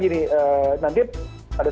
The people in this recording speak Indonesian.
gini nanti ada